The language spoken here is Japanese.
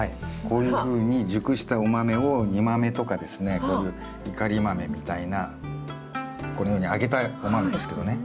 こういうふうに熟したお豆を煮豆とかですねこういういかり豆みたいなこのように揚げたお豆ですけどね。